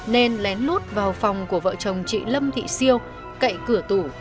nên lén lút vào phòng của vợ chồng chị lâm thị siêu cậy cửa tủ lấy trộm số vàng nêu trên